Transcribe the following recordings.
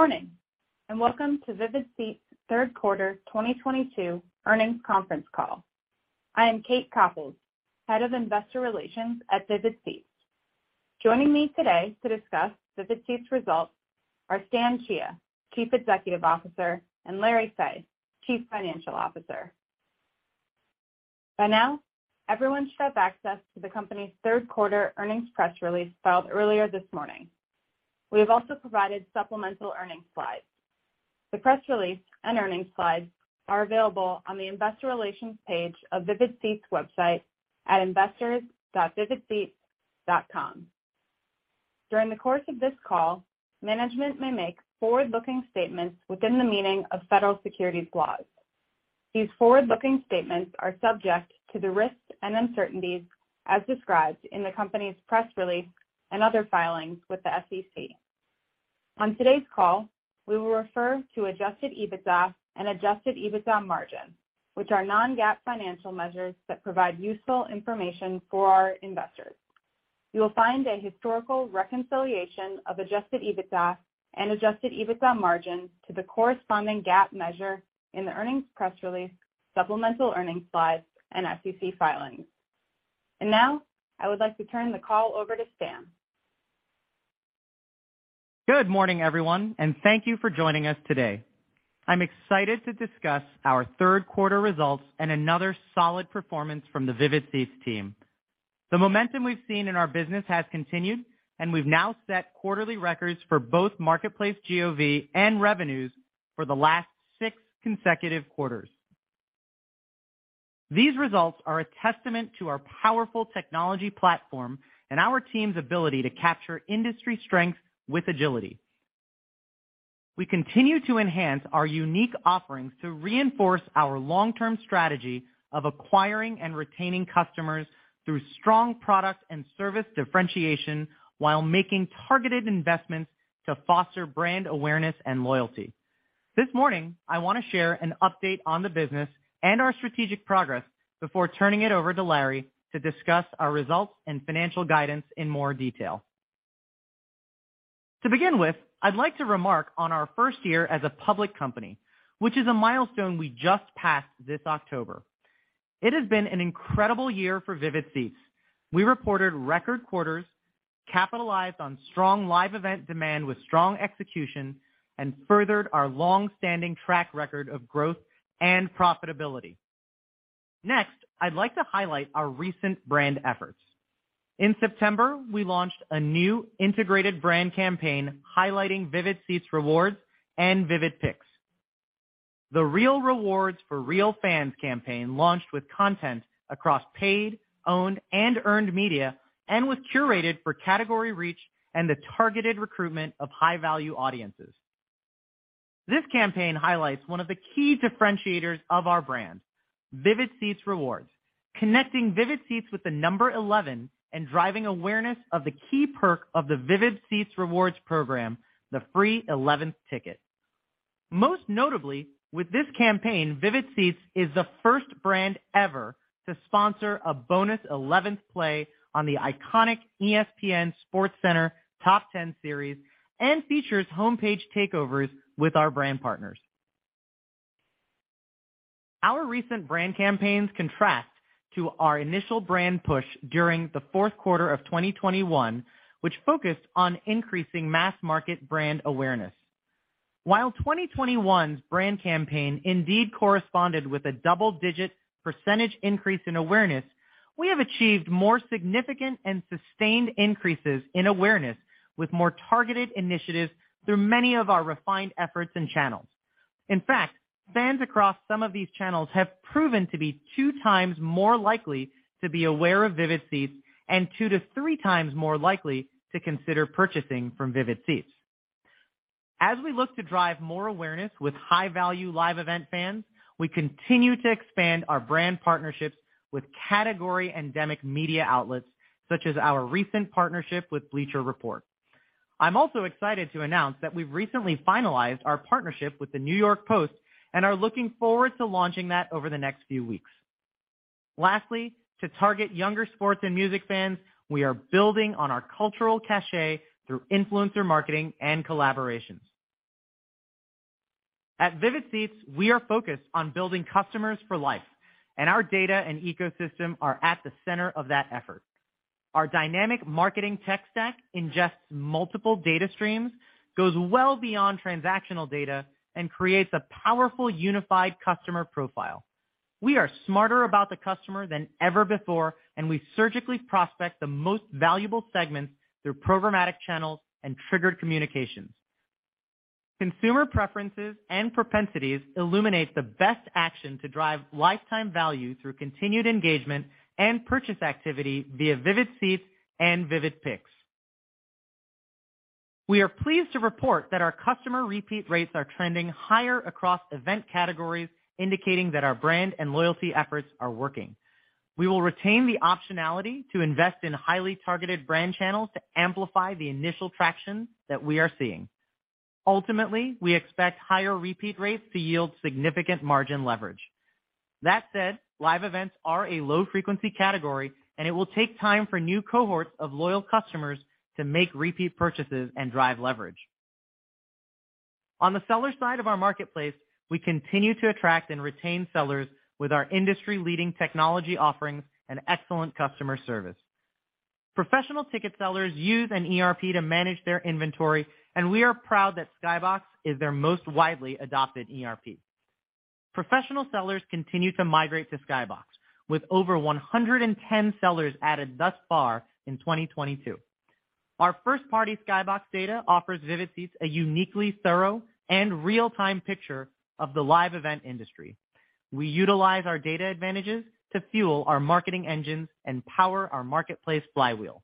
Good morning, welcome to Vivid Seats' third quarter 2022 earnings conference call. I am Kate Yung, Head of Investor Relations at Vivid Seats. Joining me today to discuss Vivid Seats results are Stan Chia, Chief Executive Officer, and Lawrence Fey, Chief Financial Officer. By now, everyone should have access to the company's third quarter earnings press release filed earlier this morning. We have also provided supplemental earnings slides. The press release and earnings slides are available on the investor relations page of Vivid Seats' website at investors.vividseats.com. During the course of this call, management may make forward-looking statements within the meaning of federal securities laws. These forward-looking statements are subject to the risks and uncertainties as described in the company's press release and other filings with the SEC. On today's call, we will refer to adjusted EBITDA and adjusted EBITDA margin, which are non-GAAP financial measures that provide useful information for our investors. You will find a historical reconciliation of adjusted EBITDA and adjusted EBITDA margin to the corresponding GAAP measure in the earnings press release, supplemental earnings slides, and SEC filings. Now, I would like to turn the call over to Stan. Good morning, everyone, thank you for joining us today. I'm excited to discuss our third quarter results and another solid performance from the Vivid Seats team. The momentum we've seen in our business has continued, we've now set quarterly records for both Marketplace GOV and revenues for the last six consecutive quarters. These results are a testament to our powerful technology platform and our team's ability to capture industry strength with agility. We continue to enhance our unique offerings to reinforce our long-term strategy of acquiring and retaining customers through strong product and service differentiation while making targeted investments to foster brand awareness and loyalty. This morning, I want to share an update on the business and our strategic progress before turning it over to Larry to discuss our results and financial guidance in more detail. To begin with, I'd like to remark on our first year as a public company, which is a milestone we just passed this October. It has been an incredible year for Vivid Seats. We reported record quarters, capitalized on strong live event demand with strong execution, furthered our longstanding track record of growth and profitability. Next, I'd like to highlight our recent brand efforts. In September, we launched a new integrated brand campaign highlighting Vivid Seats Rewards and Vivid Picks. The Real Rewards for Real Fans campaign launched with content across paid, owned, and earned media was curated for category reach and the targeted recruitment of high-value audiences. This campaign highlights one of the key differentiators of our brand, Vivid Seats Rewards, connecting Vivid Seats with the number 11 and driving awareness of the key perk of the Vivid Seats Rewards program, the free 11th ticket. Most notably, with this campaign, Vivid Seats is the first brand ever to sponsor a bonus 11th play on the iconic ESPN SportsCenter Top Ten series and features homepage takeovers with our brand partners. Our recent brand campaigns contrast to our initial brand push during the fourth quarter of 2021, which focused on increasing mass market brand awareness. While 2021's brand campaign indeed corresponded with a double-digit % increase in awareness, we have achieved more significant and sustained increases in awareness with more targeted initiatives through many of our refined efforts and channels. In fact, fans across some of these channels have proven to be two times more likely to be aware of Vivid Seats and two to three times more likely to consider purchasing from Vivid Seats. As we look to drive more awareness with high-value live event fans, we continue to expand our brand partnerships with category endemic media outlets, such as our recent partnership with Bleacher Report. I'm also excited to announce that we've recently finalized our partnership with the New York Post and are looking forward to launching that over the next few weeks. Lastly, to target younger sports and music fans, we are building on our cultural cachet through influencer marketing and collaborations. At Vivid Seats, we are focused on building customers for life, and our data and ecosystem are at the center of that effort. Our dynamic marketing tech stack ingests multiple data streams, goes well beyond transactional data, and creates a powerful, unified customer profile. We are smarter about the customer than ever before, and we surgically prospect the most valuable segments through programmatic channels and triggered communications. Consumer preferences and propensities illuminate the best action to drive lifetime value through continued engagement and purchase activity via Vivid Seats and Vivid Picks. We are pleased to report that our customer repeat rates are trending higher across event categories, indicating that our brand and loyalty efforts are working. We will retain the optionality to invest in highly targeted brand channels to amplify the initial traction that we are seeing. Ultimately, we expect higher repeat rates to yield significant margin leverage. That said, live events are a low frequency category, and it will take time for new cohorts of loyal customers to make repeat purchases and drive leverage. On the seller side of our marketplace, we continue to attract and retain sellers with our industry leading technology offerings and excellent customer service. Professional ticket sellers use an ERP to manage their inventory, and we are proud that Skybox is their most widely adopted ERP. Professional sellers continue to migrate to Skybox, with over 110 sellers added thus far in 2022. Our first party Skybox data offers Vivid Seats a uniquely thorough and real-time picture of the live event industry. We utilize our data advantages to fuel our marketing engines and power our marketplace flywheel.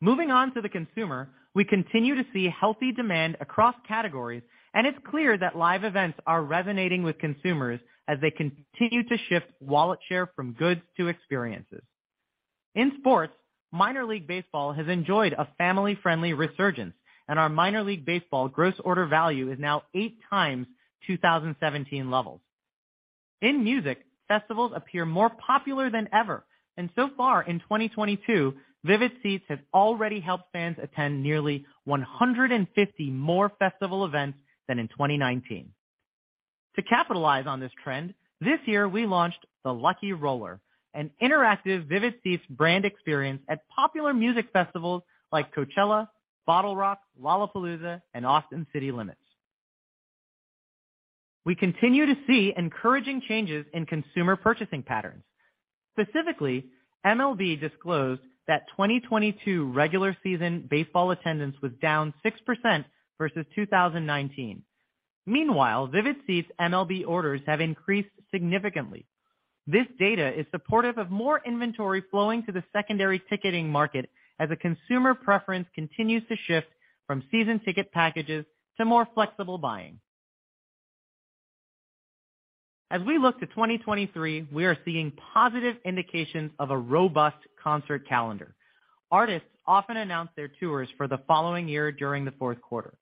Moving on to the consumer, we continue to see healthy demand across categories, and it's clear that live events are resonating with consumers as they continue to shift wallet share from goods to experiences. In sports, Minor League Baseball has enjoyed a family-friendly resurgence, and our Minor League Baseball gross order value is now eight times 2017 levels. In music, festivals appear more popular than ever, and so far in 2022, Vivid Seats has already helped fans attend nearly 150 more festival events than in 2019. To capitalize on this trend, this year we launched the Lucky Roller, an interactive Vivid Seats brand experience at popular music festivals like Coachella, BottleRock, Lollapalooza and Austin City Limits. We continue to see encouraging changes in consumer purchasing patterns. Specifically, MLB disclosed that 2022 regular season baseball attendance was down 6% versus 2019. Meanwhile, Vivid Seats' MLB orders have increased significantly. This data is supportive of more inventory flowing to the secondary ticketing market as a consumer preference continues to shift from season ticket packages to more flexible buying. As we look to 2023, we are seeing positive indications of a robust concert calendar. Artists often announce their tours for the following year during the fourth quarter.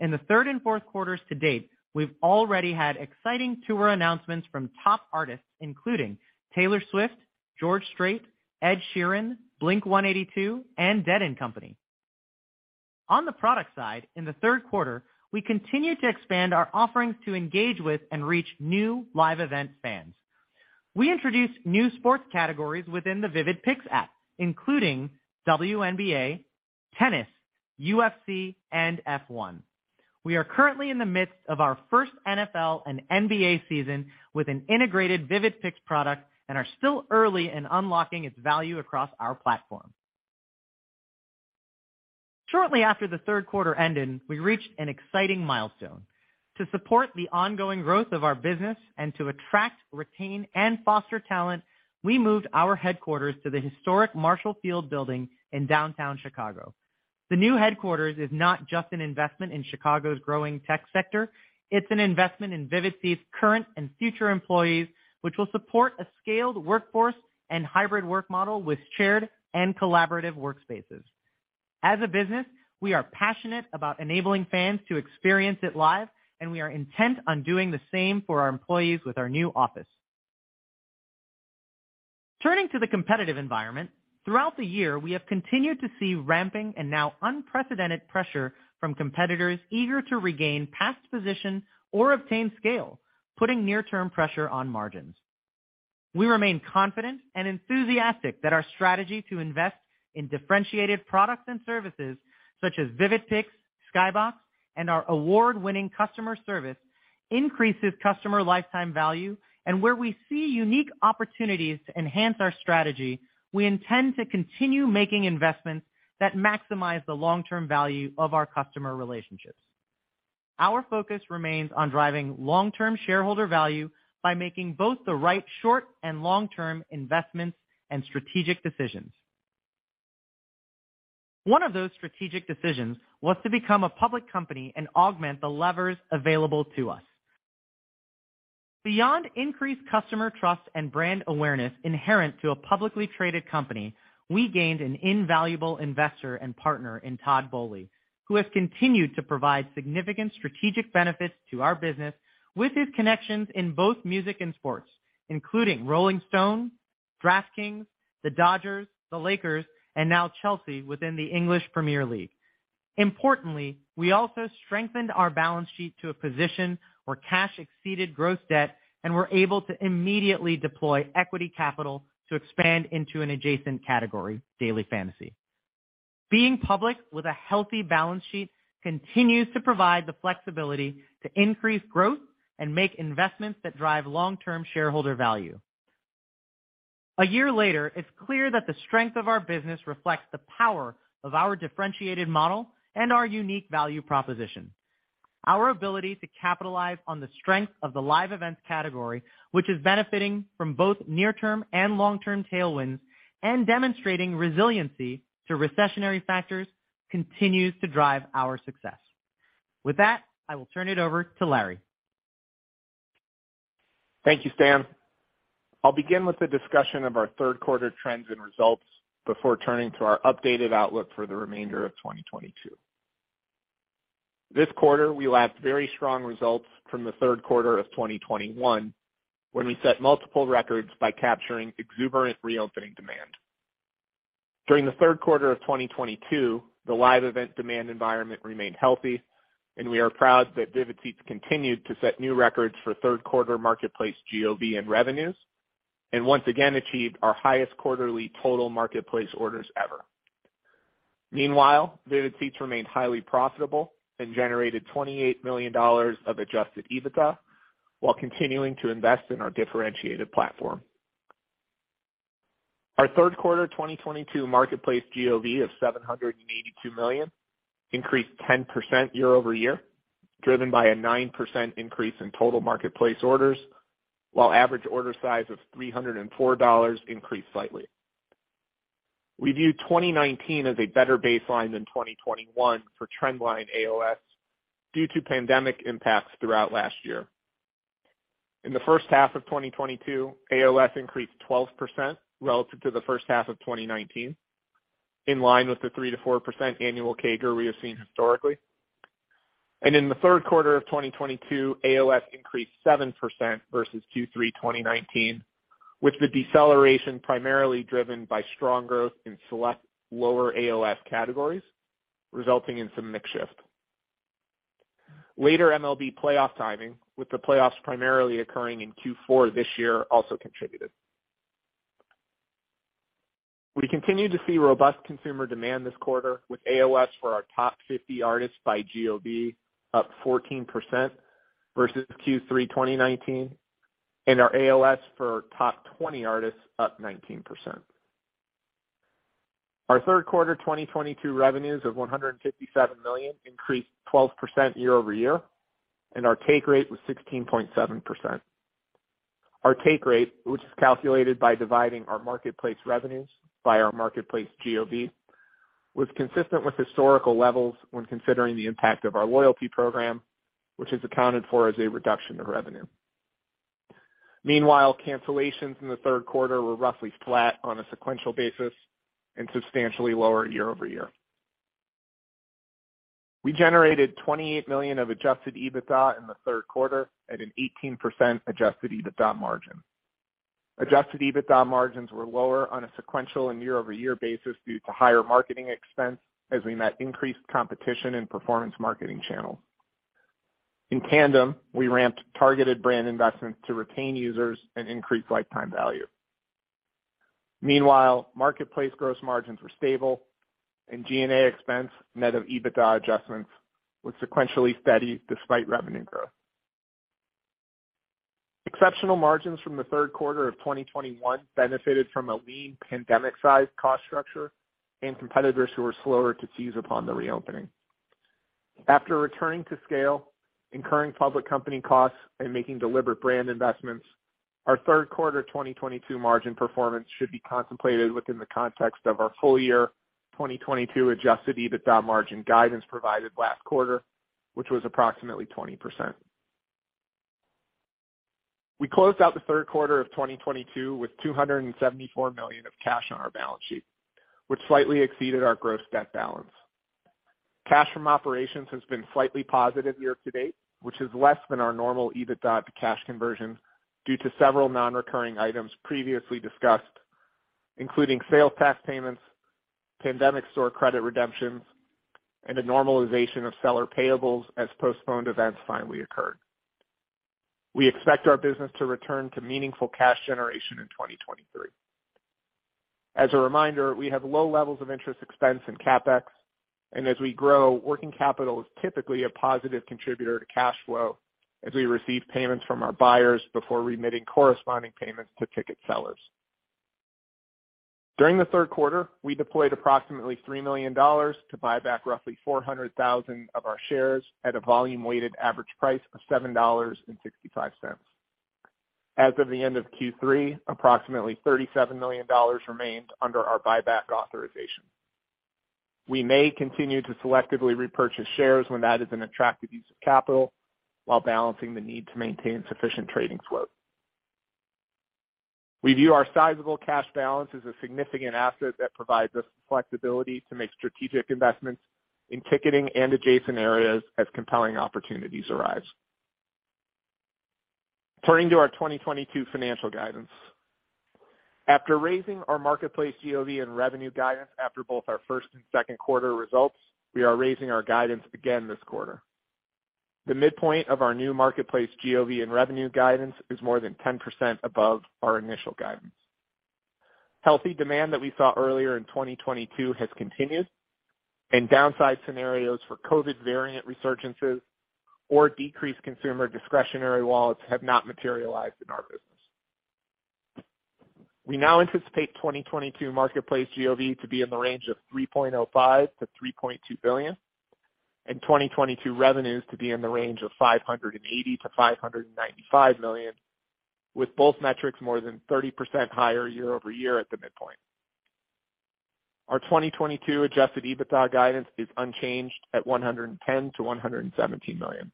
In the third and fourth quarters to date, we've already had exciting tour announcements from top artists including Taylor Swift, George Strait, Ed Sheeran, Blink-182, and Dead & Company. On the product side, in the third quarter, we continued to expand our offerings to engage with and reach new live event fans. We introduced new sports categories within the Vivid Picks app, including WNBA, tennis, UFC, and F1. We are currently in the midst of our first NFL and NBA season with an integrated Vivid Picks product and are still early in unlocking its value across our platform. Shortly after the third quarter ended, we reached an exciting milestone. To support the ongoing growth of our business and to attract, retain, and foster talent, we moved our headquarters to the historic Marshall Field building in downtown Chicago. The new headquarters is not just an investment in Chicago's growing tech sector, it's an investment in Vivid Seats' current and future employees, which will support a scaled workforce and hybrid work model with shared and collaborative workspaces. As a business, we are passionate about enabling fans to experience it live, and we are intent on doing the same for our employees with our new office. Turning to the competitive environment, throughout the year, we have continued to see ramping and now unprecedented pressure from competitors eager to regain past position or obtain scale, putting near-term pressure on margins. We remain confident and enthusiastic that our strategy to invest in differentiated products and services such as Vivid Picks, Skybox, and our award-winning customer service increases customer lifetime value. Where we see unique opportunities to enhance our strategy, we intend to continue making investments that maximize the long-term value of our customer relationships. Our focus remains on driving long-term shareholder value by making both the right short and long-term investments and strategic decisions. One of those strategic decisions was to become a public company and augment the levers available to us. Beyond increased customer trust and brand awareness inherent to a publicly traded company, we gained an invaluable investor and partner in Todd Boehly, who has continued to provide significant strategic benefits to our business with his connections in both music and sports, including Rolling Stone, DraftKings, the Dodgers, the Lakers, and now Chelsea within the English Premier League. Importantly, we also strengthened our balance sheet to a position where cash exceeded gross debt, and we're able to immediately deploy equity capital to expand into an adjacent category, Daily Fantasy. Being public with a healthy balance sheet continues to provide the flexibility to increase growth and make investments that drive long-term shareholder value. A year later, it's clear that the strength of our business reflects the power of our differentiated model and our unique value proposition. Our ability to capitalize on the strength of the live events category, which is benefiting from both near-term and long-term tailwinds and demonstrating resiliency to recessionary factors, continues to drive our success. With that, I will turn it over to Larry. Thank you, Stan. I'll begin with a discussion of our third quarter trends and results before turning to our updated outlook for the remainder of 2022. This quarter, we lacked very strong results from the third quarter of 2021, when we set multiple records by capturing exuberant reopening demand. During the third quarter of 2022, the live event demand environment remained healthy, and we are proud that Vivid Seats continued to set new records for third-quarter marketplace GOV and revenues, and once again achieved our highest quarterly total marketplace orders ever. Meanwhile, Vivid Seats remained highly profitable and generated $28 million of adjusted EBITDA while continuing to invest in our differentiated platform. Our third quarter 2022 marketplace GOV of $782 million increased 10% year-over-year, driven by a 9% increase in total marketplace orders, while average order size of $304 increased slightly. We view 2019 as a better baseline than 2021 for trendline AOS due to pandemic impacts throughout last year. In the first half of 2022, AOS increased 12% relative to the first half of 2019, in line with the 3%-4% annual CAGR we have seen historically. In the third quarter of 2022, AOS increased 7% versus Q3 2019, with the deceleration primarily driven by strong growth in select lower AOS categories, resulting in some mix shift. Later MLB playoff timing, with the playoffs primarily occurring in Q4 this year, also contributed. We continue to see robust consumer demand this quarter, with AOS for our top 50 artists by GOV up 14% versus Q3 2019, and our AOS for top 20 artists up 19%. Our third quarter 2022 revenues of $157 million increased 12% year-over-year, and our take rate was 16.7%. Our take rate, which is calculated by dividing our marketplace revenues by our marketplace GOV, was consistent with historical levels when considering the impact of our loyalty program, which is accounted for as a reduction of revenue. Meanwhile, cancellations in the third quarter were roughly flat on a sequential basis and substantially lower year-over-year. We generated $28 million of adjusted EBITDA in the third quarter at an 18% adjusted EBITDA margin. Adjusted EBITDA margins were lower on a sequential and year-over-year basis due to higher marketing expense as we met increased competition in performance marketing channels. In tandem, we ramped targeted brand investments to retain users and increase lifetime value. Meanwhile, marketplace gross margins were stable and G&A expense net of EBITDA adjustments was sequentially steady despite revenue growth. Exceptional margins from the third quarter of 2021 benefited from a lean pandemic-sized cost structure and competitors who were slower to seize upon the reopening. After returning to scale, incurring public company costs, and making deliberate brand investments, our third quarter 2022 margin performance should be contemplated within the context of our full year 2022 adjusted EBITDA margin guidance provided last quarter, which was approximately 20%. We closed out the third quarter of 2022 with $274 million of cash on our balance sheet, which slightly exceeded our gross debt balance. Cash from operations has been slightly positive year-to-date, which is less than our normal EBITDA to cash conversion due to several non-recurring items previously discussed, including sales tax payments, pandemic store credit redemptions, and the normalization of seller payables as postponed events finally occurred. We expect our business to return to meaningful cash generation in 2023. As a reminder, we have low levels of interest expense and CapEx, and as we grow, working capital is typically a positive contributor to cash flow as we receive payments from our buyers before remitting corresponding payments to ticket sellers. During the third quarter, we deployed approximately $3 million to buy back roughly 400,000 of our shares at a volume weighted average price of $7.65. As of the end of Q3, approximately $37 million remained under our buyback authorization. We may continue to selectively repurchase shares when that is an attractive use of capital while balancing the need to maintain sufficient trading float. We view our sizable cash balance as a significant asset that provides us flexibility to make strategic investments in ticketing and adjacent areas as compelling opportunities arise. Turning to our 2022 financial guidance. After raising our Marketplace GOV and revenue guidance after both our first and second quarter results, we are raising our guidance again this quarter. The midpoint of our new Marketplace GOV and revenue guidance is more than 10% above our initial guidance. Healthy demand that we saw earlier in 2022 has continued, and downside scenarios for COVID variant resurgences or decreased consumer discretionary wallets have not materialized in our business. We now anticipate 2022 Marketplace GOV to be in the range of $3.05 billion-$3.2 billion, and 2022 revenues to be in the range of $580 million-$595 million, with both metrics more than 30% higher year-over-year at the midpoint. Our 2022 adjusted EBITDA guidance is unchanged at $110 million-$117 million.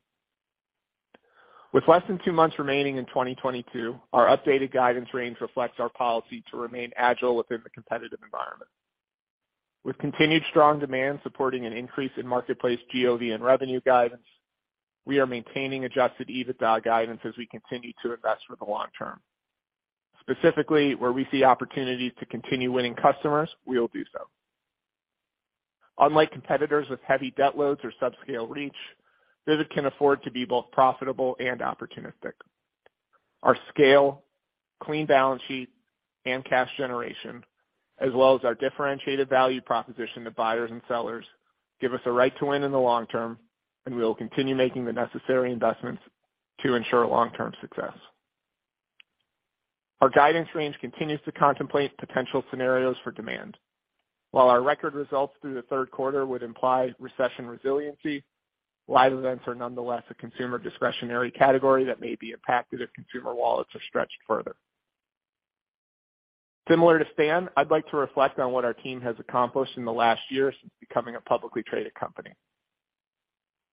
With less than two months remaining in 2022, our updated guidance range reflects our policy to remain agile within the competitive environment. With continued strong demand supporting an increase in Marketplace GOV and revenue guidance, we are maintaining adjusted EBITDA guidance as we continue to invest for the long term. Specifically, where we see opportunities to continue winning customers, we will do so. Unlike competitors with heavy debt loads or subscale reach, Vivid can afford to be both profitable and opportunistic. Our scale, clean balance sheet, and cash generation, as well as our differentiated value proposition to buyers and sellers, give us a right to win in the long term, and we will continue making the necessary investments to ensure long-term success. Our guidance range continues to contemplate potential scenarios for demand. While our record results through the third quarter would imply recession resiliency, live events are nonetheless a consumer discretionary category that may be impacted if consumer wallets are stretched further. Similar to Stan, I'd like to reflect on what our team has accomplished in the last year since becoming a publicly traded company.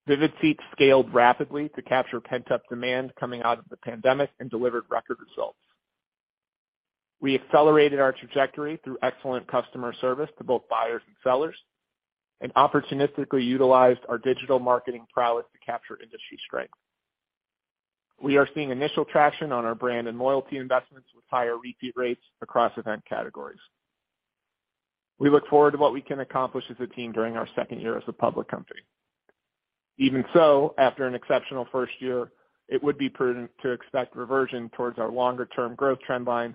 Vivid Seats scaled rapidly to capture pent-up demand coming out of the pandemic and delivered record results. We accelerated our trajectory through excellent customer service to both buyers and sellers and opportunistically utilized our digital marketing prowess to capture industry strength. We are seeing initial traction on our brand and loyalty investments with higher repeat rates across event categories. We look forward to what we can accomplish as a team during our second year as a public company. Even so, after an exceptional first year, it would be prudent to expect reversion towards our longer-term growth trend line,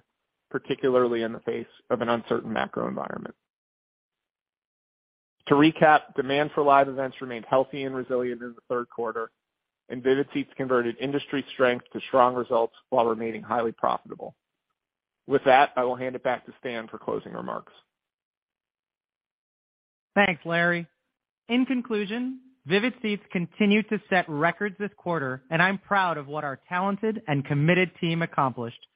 particularly in the face of an uncertain macro environment. To recap, demand for live events remained healthy and resilient in the third quarter. Vivid Seats converted industry strength to strong results while remaining highly profitable. With that, I will hand it back to Stan for closing remarks. Thanks, Larry. In conclusion, Vivid Seats continued to set records this quarter. I'm proud of what our talented and committed team accomplished.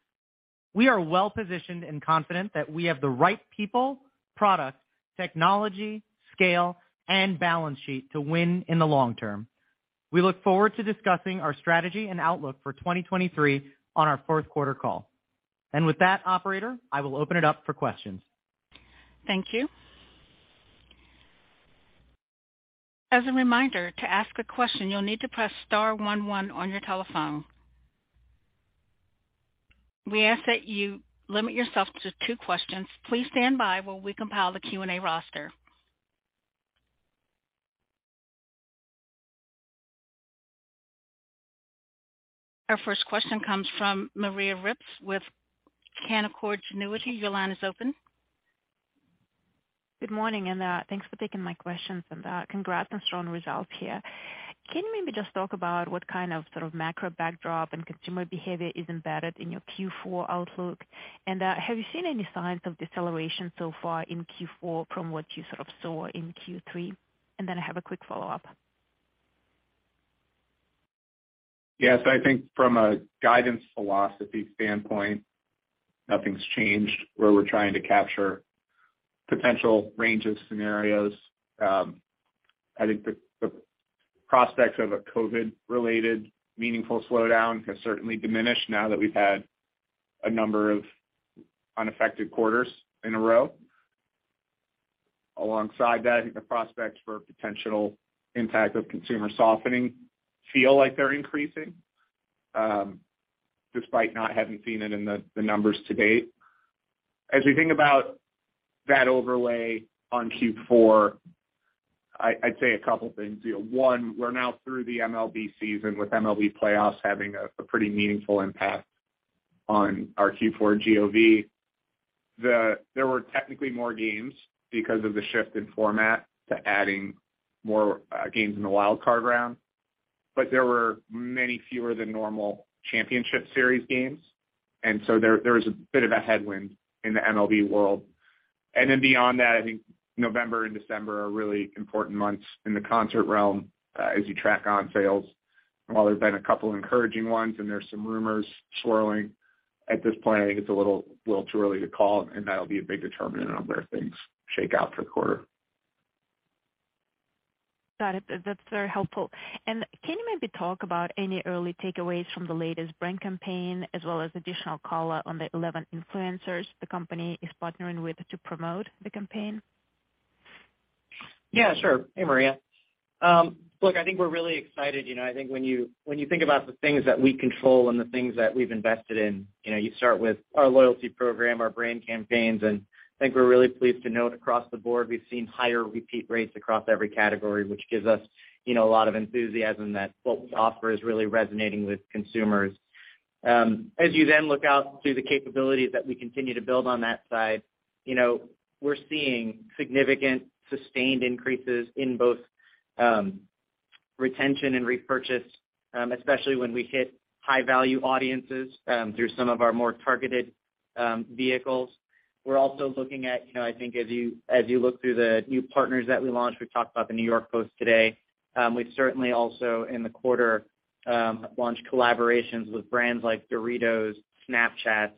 We are well-positioned and confident that we have the right people, products, technology, scale, and balance sheet to win in the long term. We look forward to discussing our strategy and outlook for 2023 on our fourth quarter call. With that, operator, I will open it up for questions. Thank you. As a reminder, to ask a question, you'll need to press star one one on your telephone. We ask that you limit yourself to two questions. Please stand by while we compile the Q&A roster. Our first question comes from Maria Ripps with Canaccord Genuity. Your line is open. Good morning, and thanks for taking my questions, and congrats on strong results here. Can you maybe just talk about what kind of macro backdrop and consumer behavior is embedded in your Q4 outlook? Have you seen any signs of deceleration so far in Q4 from what you sort of saw in Q3? I have a quick follow-up. Yes, I think from a guidance philosophy standpoint, nothing's changed where we're trying to capture potential range of scenarios. I think the prospects of a COVID-related meaningful slowdown have certainly diminished now that we've had a number of unaffected quarters in a row. Alongside that, I think the prospects for potential impact of consumer softening feel like they're increasing, despite not having seen it in the numbers to date. As we think about that overlay on Q4, I'd say a couple of things. One, we're now through the MLB season with MLB playoffs having a pretty meaningful impact on our Q4 GOV. There were technically more games because of the shift in format to adding more games in the wild card round. There were many fewer than normal championship series games, there was a bit of a headwind in the MLB world. Beyond that, I think November and December are really important months in the concert realm as you track on sales. While there's been a couple encouraging ones and there's some rumors swirling, at this point, I think it's a little too early to call, and that'll be a big determinant on where things shake out for the quarter. Got it. That's very helpful. Can you maybe talk about any early takeaways from the latest brand campaign as well as additional color on the 11 influencers the company is partnering with to promote the campaign? Yeah, sure. Hey, Maria. Look, I think we're really excited. I think when you think about the things that we control and the things that we've invested in, you start with our loyalty program, our brand campaigns. I think we're really pleased to note across the board we've seen higher repeat rates across every category, which gives us a lot of enthusiasm that what we offer is really resonating with consumers. As you then look out through the capabilities that we continue to build on that side, we're seeing significant sustained increases in both retention and repurchase, especially when we hit high-value audiences through some of our more targeted vehicles. We're also looking at, I think as you look through the new partners that we launched, we've talked about the New York Post today. We've certainly also in the quarter launched collaborations with brands like Doritos, Snapchat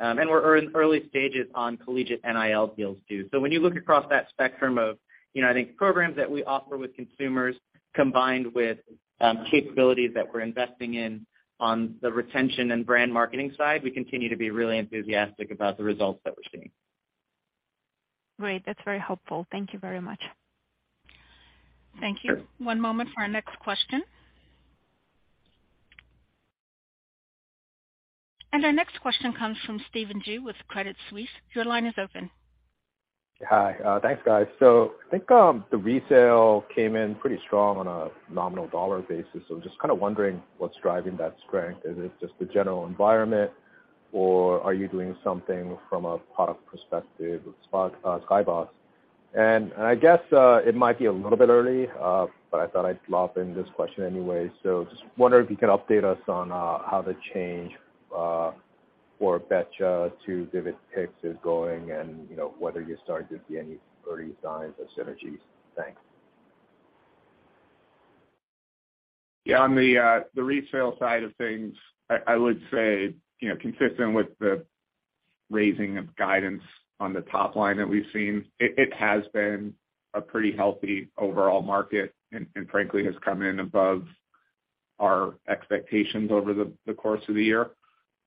We're in early stages on collegiate NIL deals too. When you look across that spectrum of, I think, programs that we offer with consumers, combined with capabilities that we're investing in on the retention and brand marketing side, we continue to be really enthusiastic about the results that we're seeing. Great. That's very helpful. Thank you very much. Thank you. One moment for our next question. Our next question comes from Stephen Ju with Credit Suisse. Your line is open. Hi. Thanks, guys. I think the resale came in pretty strong on a nominal dollar basis. Just kind of wondering what's driving that strength. Is it just the general environment, or are you doing something from a product perspective with Skybox? I guess it might be a little bit early, but I thought I'd lob in this question anyway. Just wonder if you could update us on how the change for Betcha to Vivid Seats is going and whether you're starting to see any early signs of synergies. Thanks. Yeah. On the resale side of things, I would say, consistent with the raising of guidance on the top line that we've seen, it has been a pretty healthy overall market, and frankly, has come in above our expectations over the course of the year.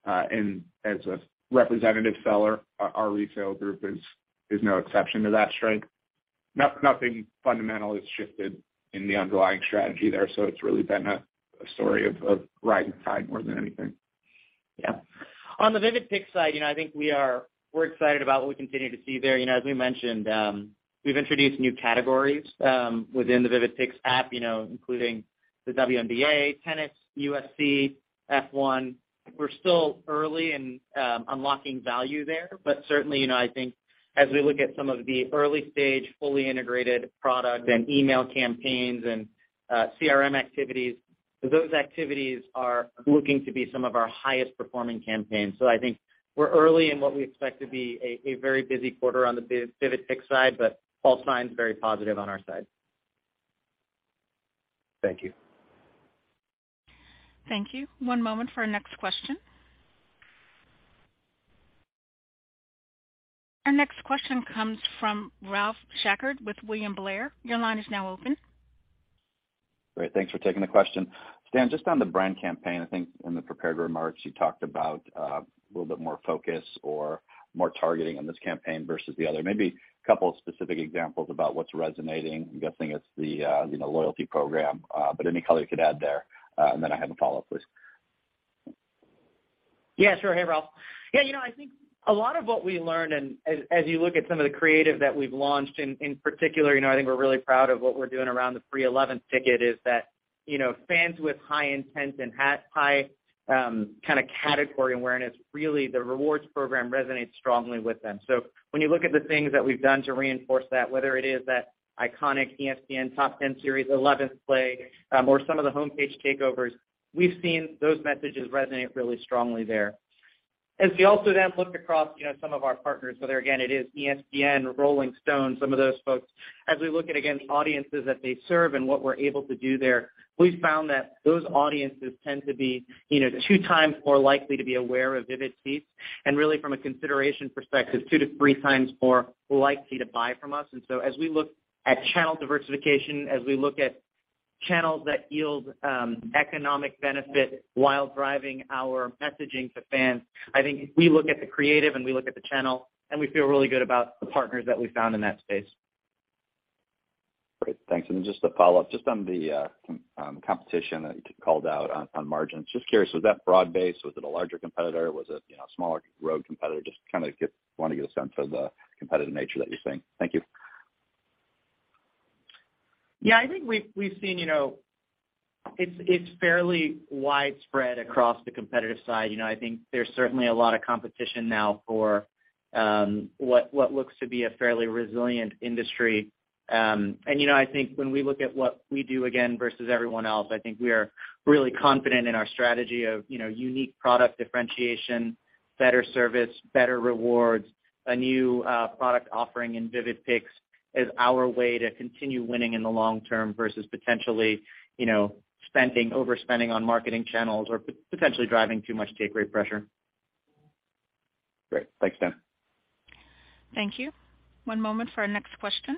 As a representative seller, our resale group is no exception to that strength. Nothing fundamental has shifted in the underlying strategy there, so it's really been a story of riding the tide more than anything. Yeah. On the Vivid Seats side, I think we're excited about what we continue to see there. As we mentioned, we've introduced new categories within the Vivid Seats app including the WNBA, tennis, UFC, F1. We're still early in unlocking value there, but certainly, I think as we look at some of the early stage, fully integrated product and email campaigns and CRM activities, those activities are looking to be some of our highest performing campaigns. I think we're early in what we expect to be a very busy quarter on the Vivid Seats side, but all signs very positive on our side. Thank you. Thank you. One moment for our next question. Our next question comes from Ralph Schackart with William Blair. Your line is now open. Great. Thanks for taking the question. Stan, just on the brand campaign, I think in the prepared remarks, you talked about a little bit more focus or more targeting on this campaign versus the other. Maybe a couple of specific examples about what's resonating. I'm guessing it's the loyalty program, but any color you could add there? I have a follow-up, please. Sure. Hey, Ralph. I think a lot of what we learned, as you look at some of the creative that we've launched, in particular, I think we're really proud of what we're doing around the free 11th ticket, is that fans with high intent and high kind of category awareness, really the rewards program resonates strongly with them. When you look at the things that we've done to reinforce that, whether it is that iconic ESPN SportsCenter Top Ten, 11th play, or some of the homepage takeovers, we've seen those messages resonate really strongly there. As we also then looked across some of our partners, there again, it is ESPN, Rolling Stone, some of those folks. As we look at, again, the audiences that they serve and what we're able to do there, we found that those audiences tend to be two times more likely to be aware of Vivid Seats, and really from a consideration perspective, two to three times more likely to buy from us. As we look at channel diversification, as we look at channels that yield economic benefit while driving our messaging to fans, I think we look at the creative and we look at the channel, and we feel really good about the partners that we found in that space. Great. Thanks. Just a follow-up, just on the competition that you called out on margins. Just curious, was that broad-based? Was it a larger competitor? Was it a smaller rogue competitor? Just kind of want to get a sense of the competitive nature that you're seeing. Thank you. Yeah, I think we've seen it's fairly widespread across the competitive side. I think there's certainly a lot of competition now for what looks to be a fairly resilient industry. I think when we look at what we do, again, versus everyone else, I think we are really confident in our strategy of unique product differentiation, better service, better rewards, a new product offering in Vivid Seats as our way to continue winning in the long term versus potentially overspending on marketing channels or potentially driving too much take rate pressure. Great. Thanks, Stan. Thank you. One moment for our next question.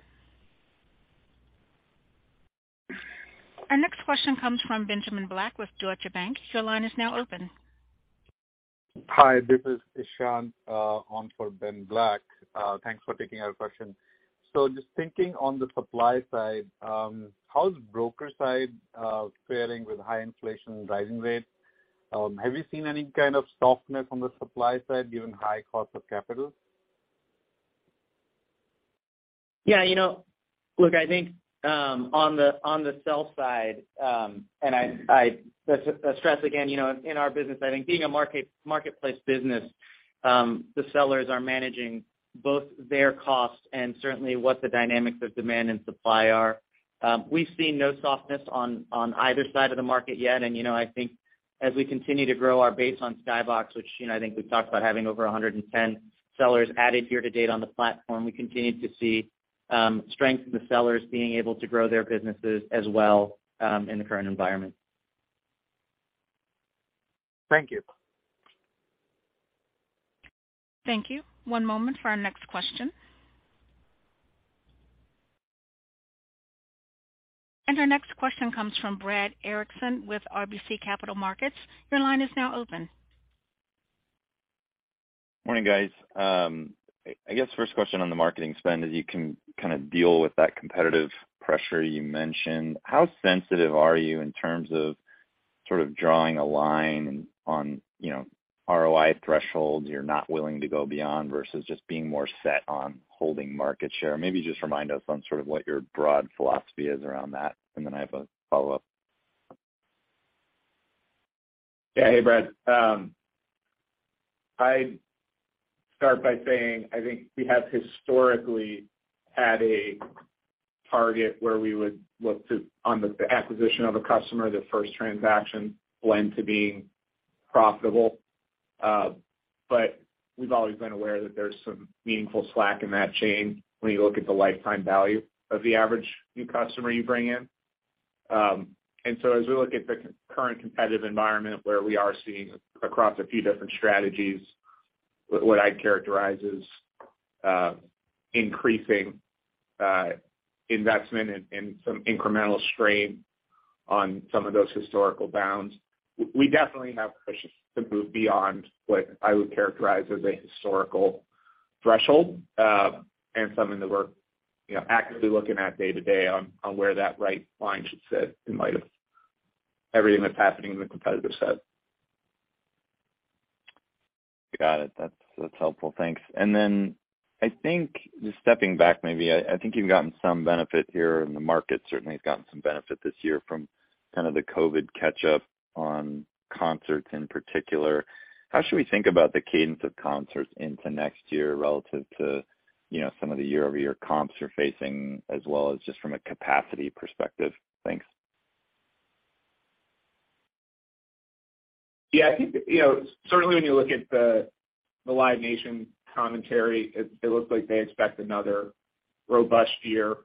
Our next question comes from Benjamin Black with Deutsche Bank. Your line is now open. Hi, this is Ishant on for Ben Black. Thanks for taking our question. Just thinking on the supply side, how's broker side faring with high inflation driving rates? Have you seen any kind of softness on the supply side given high cost of capital? Yeah. Look, I think on the sell side, I stress again, in our business, I think being a marketplace business, the sellers are managing both their costs and certainly what the dynamics of demand and supply are. We've seen no softness on either side of the market yet. I think as we continue to grow our base on Skybox, which I think we've talked about having over 110 sellers added year-to-date on the platform, we continue to see strength in the sellers being able to grow their businesses as well in the current environment. Thank you. Thank you. One moment for our next question. Our next question comes from Brad Erickson with RBC Capital Markets. Your line is now open. Morning, guys. I guess first question on the marketing spend, as you can deal with that competitive pressure you mentioned, how sensitive are you in terms of drawing a line on ROI thresholds you're not willing to go beyond versus just being more set on holding market share? Maybe just remind us on what your broad philosophy is around that. I have a follow-up. Yeah. Hey, Brad. I'd start by saying, I think we have historically had a target where we would look to, on the acquisition of a customer, the first transaction blend to being profitable. We've always been aware that there's some meaningful slack in that chain when you look at the lifetime value of the average new customer you bring in. As we look at the current competitive environment where we are seeing across a few different strategies, what I'd characterize as increasing investment and some incremental strain on some of those historical bounds, we definitely have pushes to move beyond what I would characterize as a historical threshold. Something that we're actively looking at day to day on where that right line should sit in light of everything that's happening in the competitive set. Got it. That's helpful. Thanks. I think, just stepping back maybe, I think you've gotten some benefit here, and the market certainly has gotten some benefit this year from the COVID catch-up on concerts in particular. How should we think about the cadence of concerts into next year relative to some of the year-over-year comps you're facing, as well as just from a capacity perspective? Thanks. Yeah, I think, certainly when you look at the Live Nation commentary, it looks like they expect another robust year.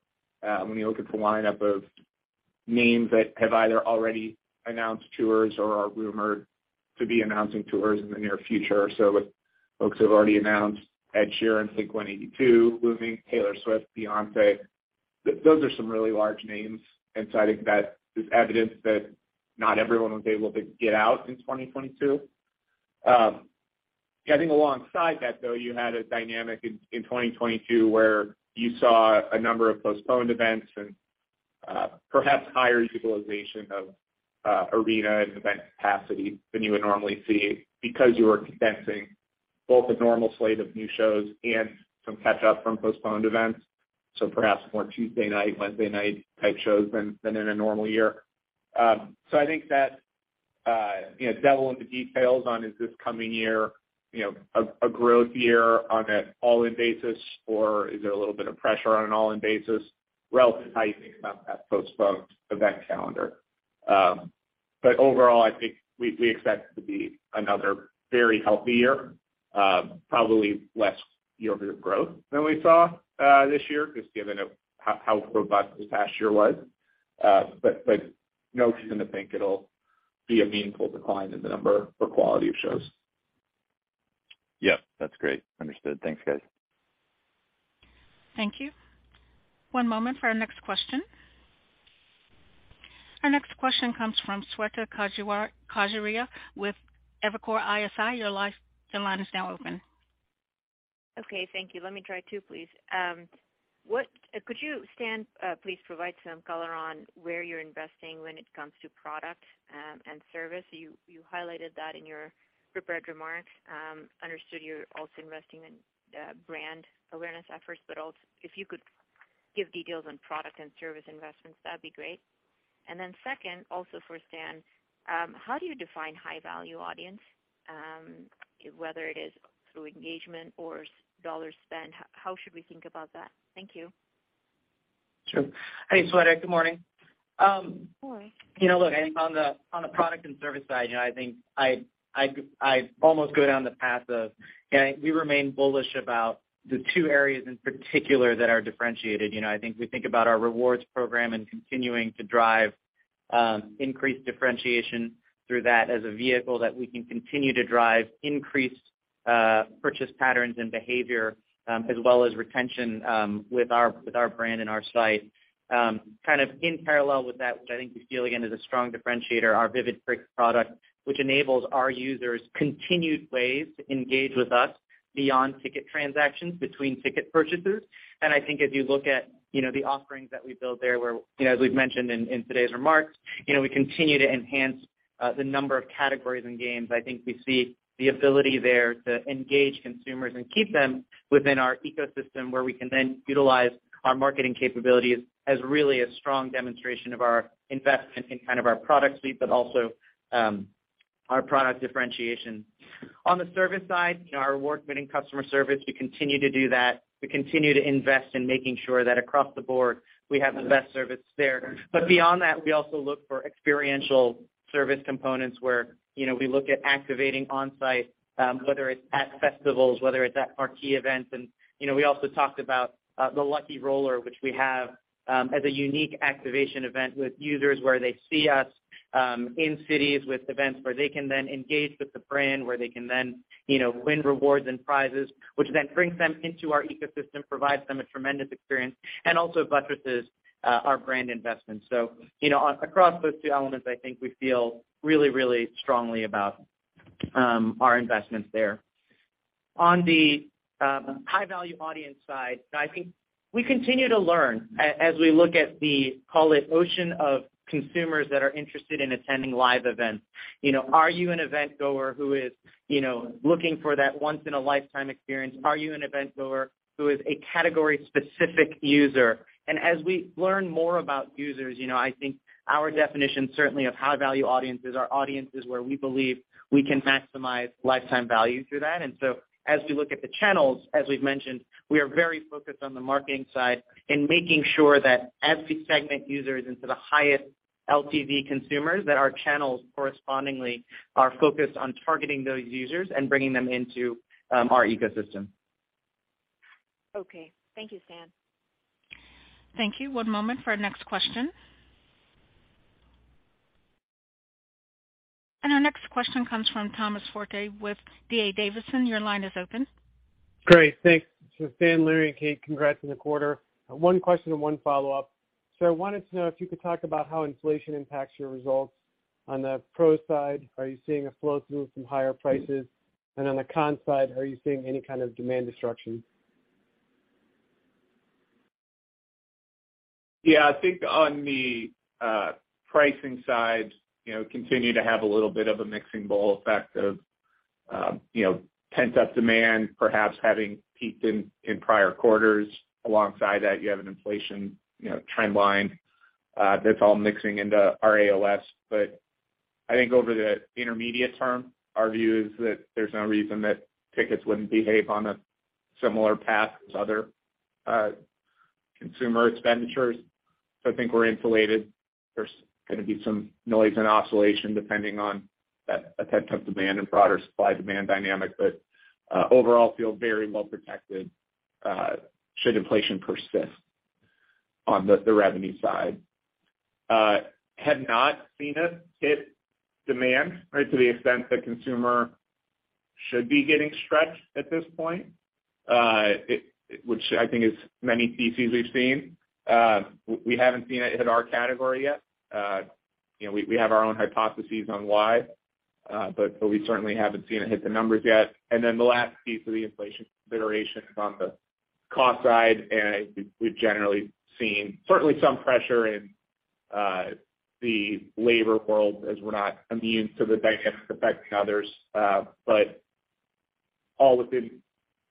When you look at the lineup of names that have either already announced tours or are rumored to be announcing tours in the near future. With folks who have already announced, Ed Sheeran, Blink-182 looming, Taylor Swift, Beyoncé, those are some really large names. I think that is evidence that not everyone was able to get out in 2022. I think alongside that, though, you had a dynamic in 2022 where you saw a number of postponed events and perhaps higher utilization of arena and event capacity than you would normally see because you were condensing both a normal slate of new shows and some catch-up from postponed events. Perhaps more Tuesday night, Wednesday night type shows than in a normal year. I think that, devil in the details on, is this coming year a growth year on an all-in basis, or is there a little bit of pressure on an all-in basis relative to how you think about that postponed event calendar? Overall, I think we expect it to be another very healthy year. Probably less year-over-year growth than we saw this year, just given how robust the past year was. No reason to think it'll be a meaningful decline in the number or quality of shows. Yep. That's great. Understood. Thanks, guys. Thank you. One moment for our next question. Our next question comes from Shweta Khajuria with Evercore ISI. Your line is now open. Okay, thank you. Let me try two, please. Could you, Stan, please provide some color on where you're investing when it comes to product and service? You highlighted that in your prepared remarks. Understood you're also investing in brand awareness efforts, but also if you could give details on product and service investments, that'd be great. Second, also for Stan, how do you define high-value audience? Whether it is through engagement or dollar spend, how should we think about that? Thank you. Sure. Hey, Shweta, good morning. Morning. I think on the product and service side, I think I almost go down the path of we remain bullish about the two areas in particular that are differentiated. I think we think about our rewards program and continuing to drive increased differentiation through that as a vehicle that we can continue to drive increased purchase patterns and behavior as well as retention with our brand and our site. Kind of in parallel with that, which I think we feel, again, is a strong differentiator, our Vivid Seats product, which enables our users continued ways to engage with us beyond ticket transactions between ticket purchases. I think if you look at the offerings that we build there where, as we've mentioned in today's remarks, we continue to enhance the number of categories and games. I think we see the ability there to engage consumers and keep them within our ecosystem, where we can then utilize our marketing capabilities as really a strong demonstration of our investment in kind of our product suite, but also Our product differentiation. On the service side, our award-winning customer service, we continue to do that. We continue to invest in making sure that across the board we have the best service there. Beyond that, we also look for experiential service components where we look at activating on-site, whether it's at festivals, whether it's at marquee events. We also talked about the Lucky Roller, which we have as a unique activation event with users where they see us in cities with events, where they can then engage with the brand, where they can then win rewards and prizes, which then brings them into our ecosystem, provides them a tremendous experience, and also buttresses our brand investments. Across those two elements, I think we feel really strongly about our investments there. On the high-value audience side, I think we continue to learn as we look at the, call it, ocean of consumers that are interested in attending live events. Are you an eventgoer who is looking for that once in a lifetime experience? Are you an eventgoer who is a category-specific user? As we learn more about users, I think our definition certainly of high-value audiences, are audiences where we believe we can maximize lifetime value through that. As we look at the channels, as we've mentioned, we are very focused on the marketing side and making sure that as we segment users into the highest LTV consumers, that our channels correspondingly are focused on targeting those users and bringing them into our ecosystem. Okay. Thank you, Stan. Thank you. One moment for our next question. Our next question comes from Thomas Forte with D.A. Davidson. Your line is open. Great. Thanks. To Stan, Larry, and Kate, congrats on the quarter. One question and one follow-up. I wanted to know if you could talk about how inflation impacts your results. On the pros side, are you seeing a flow through some higher prices? On the con side, are you seeing any kind of demand destruction? Yeah, I think on the pricing side, continue to have a little bit of a mixing bowl effect of pent-up demand, perhaps having peaked in prior quarters. Alongside that, you have an inflation trend line that's all mixing into our AOS. I think over the intermediate term, our view is that there's no reason that tickets wouldn't behave on a similar path as other consumer expenditures. I think we're insulated. There's going to be some noise and oscillation depending on that pent-up demand and broader supply-demand dynamic. Overall, feel very well protected should inflation persist on the revenue side. Have not seen it hit demand to the extent that consumer should be getting stretched at this point, which I think is many theses we've seen. We haven't seen it hit our category yet. We have our own hypotheses on why but we certainly haven't seen it hit the numbers yet. The last piece of the inflation consideration is on the cost side, and we've generally seen certainly some pressure in the labor world as we're not immune to the dynamics affecting others. All within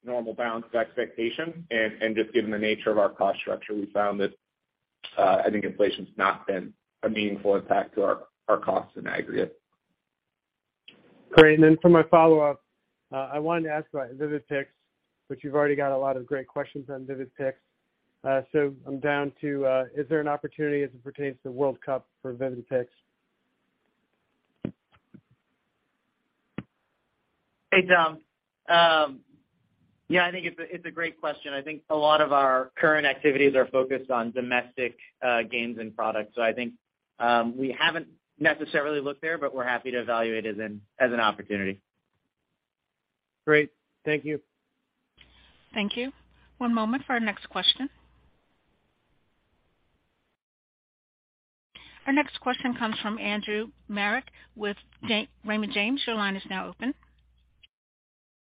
normal bounds of expectation and just given the nature of our cost structure, we found that I think inflation's not been a meaningful impact to our costs in aggregate. Great. For my follow-up, I wanted to ask about Vivid Seats, but you've already got a lot of great questions on Vivid Seats. I'm down to, is there an opportunity as it pertains to World Cup for Vivid Seats? Hey, Tom. Yeah, I think it's a great question. I think a lot of our current activities are focused on domestic games and products. I think we haven't necessarily looked there, but we're happy to evaluate it as an opportunity. Great. Thank you. Thank you. One moment for our next question. Our next question comes from Andrew Marok with Raymond James. Your line is now open.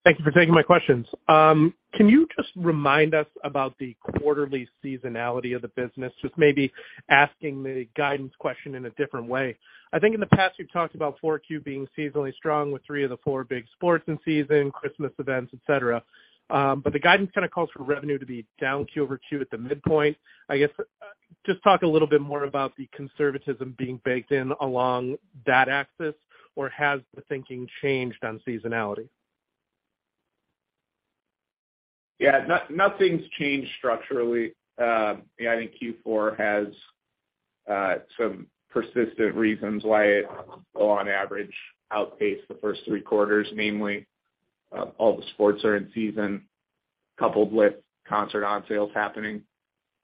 Thank you for taking my questions. Can you just remind us about the quarterly seasonality of the business? Just maybe asking the guidance question in a different way. I think in the past, you've talked about Q4 being seasonally strong with three of the four big sports in season, Christmas events, et cetera. But the guidance kind of calls for revenue to be down quarter-over-quarter at the midpoint. I guess, just talk a little bit more about the conservatism being baked in along that axis. Or has the thinking changed on seasonality? Yeah, nothing's changed structurally. I think Q4 has some persistent reasons why it will, on average, outpace the first three quarters, namely all the sports are in season coupled with concert on sales happening.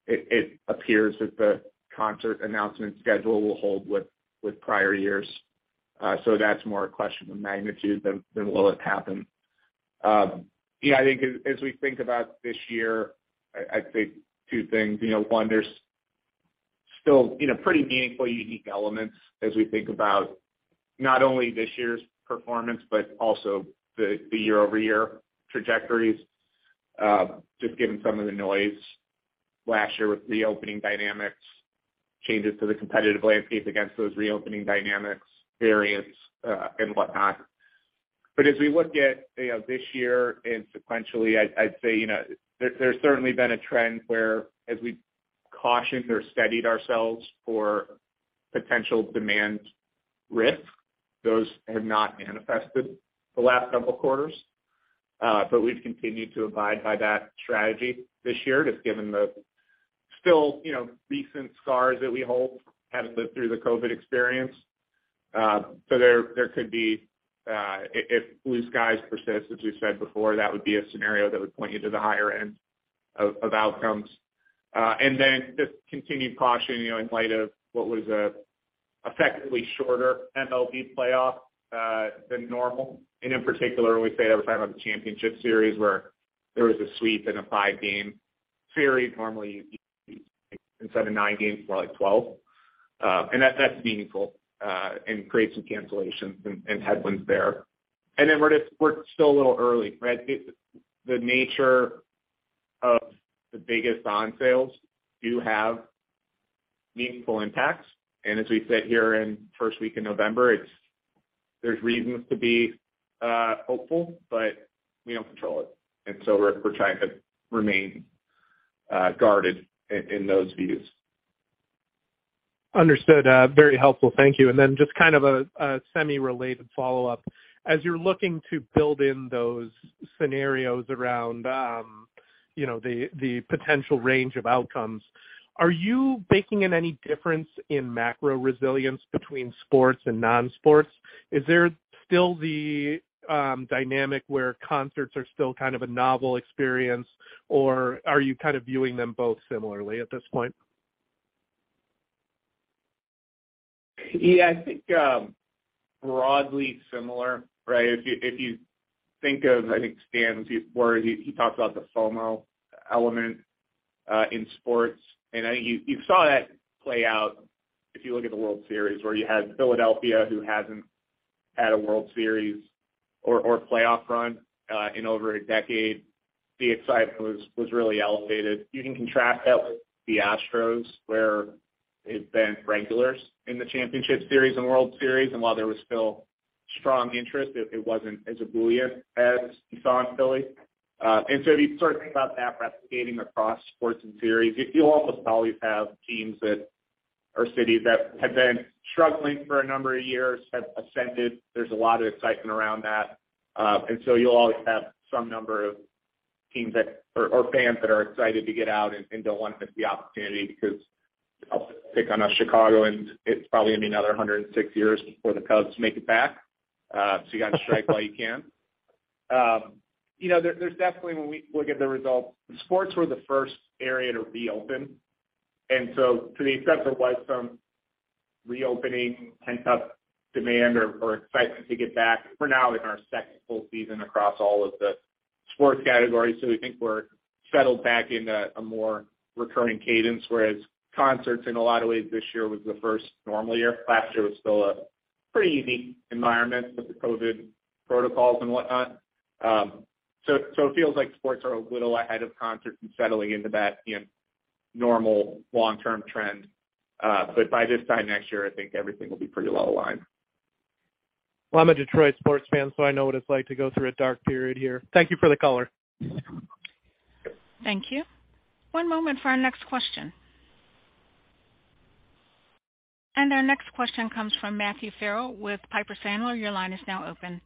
It appears that the concert announcement schedule will hold with prior years. That's more a question of magnitude than will it happen. Yeah, I think as we think about this year, I think two things. One, there's still pretty meaningfully unique elements as we think about not only this year's performance, but also the year-over-year trajectories. Just given some of the noise last year with reopening dynamics, changes to the competitive landscape against those reopening dynamics, variants, and whatnot. As we look at this year and sequentially, I'd say there's certainly been a trend where as we cautioned or steadied ourselves for potential demand risk, those have not manifested the last couple quarters. We've continued to abide by that strategy this year, just given the still recent scars that we hold, having lived through the COVID experience. There could be, if blue skies persist, as we've said before, that would be a scenario that would point you to the higher end of outcomes. Just continued caution, in light of what was effectively a shorter MLB playoff than normal. In particular, when we say that, we're talking about the championship series, where there was a sweep in a five-game series. Normally, instead of nine games, more like 12. That's meaningful and creates some cancellations and headwinds there. We're still a little early, right? The nature of the biggest on sales do have meaningful impacts. As we sit here in the first week of November, there's reasons to be hopeful, but we don't control it. We're trying to remain guarded in those views. Understood. Very helpful. Thank you. Just kind of a semi-related follow-up. As you're looking to build in those scenarios around the potential range of outcomes, are you baking in any difference in macro resilience between sports and non-sports? Is there still the dynamic where concerts are still kind of a novel experience, or are you kind of viewing them both similarly at this point? Yeah, I think broadly similar, right? If you think of, I think Stan's words, he talks about the FOMO element in sports. I think you saw that play out if you look at the World Series, where you had Philadelphia, who hasn't had a World Series or playoff run in over a decade. The excitement was really elevated. You can contrast that with the Astros, where they've been regulars in the championship series and World Series. While there was still strong interest, it wasn't as ebullient as you saw in Philly. If you start to think about that replicating across sports and series, you'll almost always have teams that, or cities that have been struggling for a number of years, have ascended. There's a lot of excitement around that. You'll always have some number of teams that, or fans that are excited to get out and don't want to miss the opportunity because, I'll pick on Chicago, and it's probably going to be another 106 years before the Cubs make it back. You got to strike while you can. There's definitely, when we look at the results, sports were the first area to reopen. To the extent there was some reopening pent-up demand or excitement to get back, we're now in our second full season across all of the sports categories. We think we're settled back into a more recurring cadence, whereas concerts, in a lot of ways, this year was the first normal year. Last year was still a pretty unique environment with the COVID protocols and whatnot. It feels like sports are a little ahead of concerts and settling into that normal long-term trend. By this time next year, I think everything will be pretty well aligned. Well, I'm a Detroit sports fan, so I know what it's like to go through a dark period here. Thank you for the color. Thank you. One moment for our next question. Our next question comes from Matthew Farrell with Piper Sandler. Your line is now open.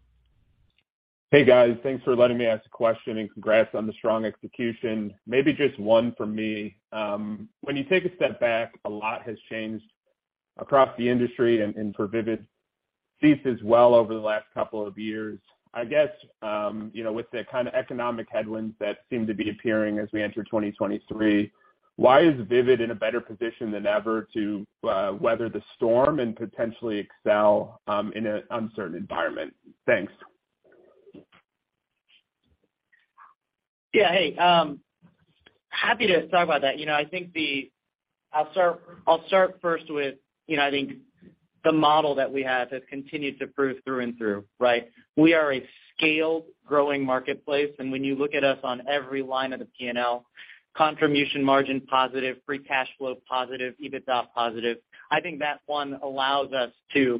Hey, guys. Thanks for letting me ask a question and congrats on the strong execution. Maybe just one from me. When you take a step back, a lot has changed across the industry and for Vivid Seats as well over the last couple of years. I guess with the kind of economic headwinds that seem to be appearing as we enter 2023, why is Vivid in a better position than ever to weather the storm and potentially excel in an uncertain environment? Thanks. Yeah. Hey. Happy to talk about that. I'll start first with I think the model that we have has continued to prove through and through, right? We are a scaled, growing marketplace. When you look at us on every line of the P&L, contribution margin positive, free cash flow positive, EBITDA positive. I think that, one, allows us to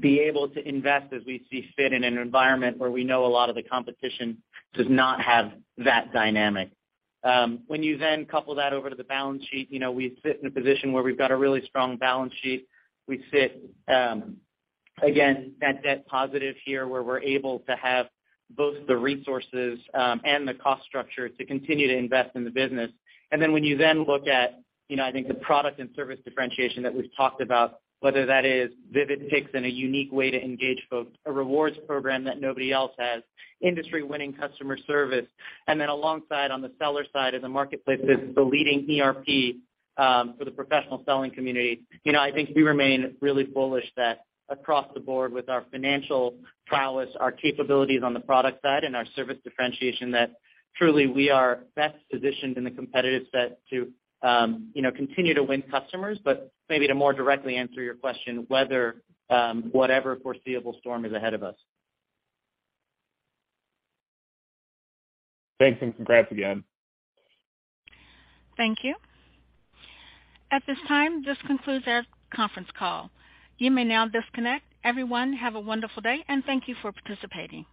be able to invest as we see fit in an environment where we know a lot of the competition does not have that dynamic. We then couple that over to the balance sheet, we sit in a position where we've got a really strong balance sheet. We sit, again, net debt positive here, where we're able to have both the resources and the cost structure to continue to invest in the business. When you look at I think the product and service differentiation that we've talked about, whether that is Vivid Picks in a unique way to engage folks, a rewards program that nobody else has, industry-winning customer service. Alongside, on the seller side as a marketplace business, the leading ERP for the professional selling community. I think we remain really bullish that across the board with our financial prowess, our capabilities on the product side, and our service differentiation, that truly we are best positioned in the competitive set to continue to win customers. Maybe to more directly answer your question, weather whatever foreseeable storm is ahead of us. Thanks, and congrats again. Thank you. At this time, this concludes our conference call. You may now disconnect. Everyone have a wonderful day, and thank you for participating.